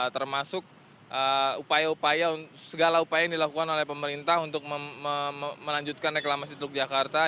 termasuk segala upaya yang dilakukan oleh pemerintah untuk melanjutkan reklamasi teluk jakarta